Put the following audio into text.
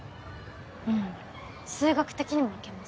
うん数学的にも行けます。